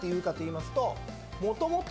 もともと。